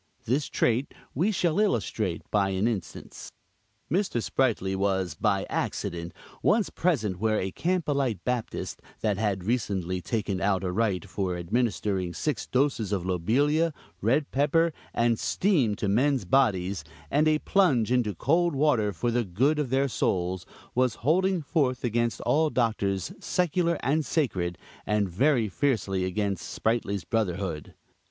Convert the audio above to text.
This trait we shall illustrate by an instance. Mr. Sprightly was, by accident, once present where a Campbellite Baptist, that had recently taken out a right for administering six doses of lobelia, red pepper and steam to men's bodies, and a plunge into cold water for the good of their souls, was holding forth against all Doctors, secular and sacred, and very fiercely against Sprightly's brotherhood.